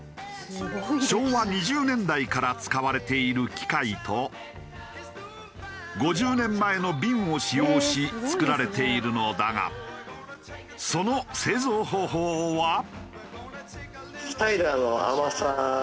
昭和２０年代から使われている機械と５０年前の瓶を使用し作られているのだがその製造方法は？